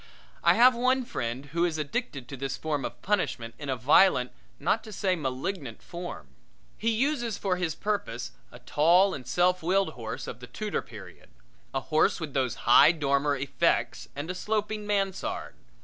I have one friend who is addicted to this form of punishment in a violent, not to say a malignant form. He uses for his purpose a tall and self willed horse of the Tudor period a horse with those high dormer effects and a sloping mansard.